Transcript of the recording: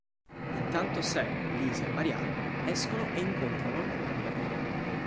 Intanto Sam, Lisa e Marianne escono e incontrano alcuni ammiratori.